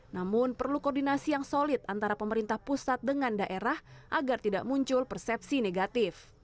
namun perlu koordinasi yang solid antara pemerintah pusat dengan daerah agar tidak muncul persepsi negatif